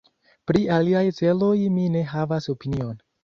Pri aliaj celoj mi ne havas opinion.